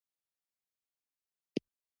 تیمورشاه کندوز د قلا نیولو څخه وروسته ستون شو.